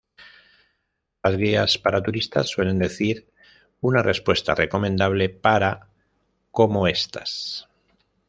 Las guías para turistas suelen decir: “Una respuesta recomendable para "¿Cómo estás?